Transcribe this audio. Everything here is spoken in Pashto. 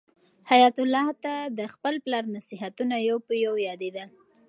حیات الله ته د خپل پلار نصیحتونه یو په یو یادېدل.